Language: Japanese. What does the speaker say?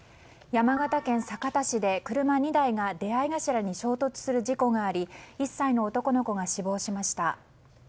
山形県酒田市で車２台が出合い頭に衝突する事故があり１歳の男の子が死亡しました。